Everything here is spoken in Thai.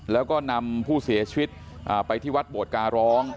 แล้วก็นำผู้เสียชีวิตไปที่วัดโบดการร้อง